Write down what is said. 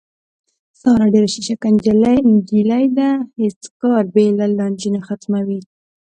ساره ډېره شیشکه نجیلۍ ده، هېڅ کار بې له لانجې نه ختموي.